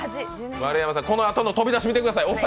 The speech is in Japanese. このあとの飛び出し見てください。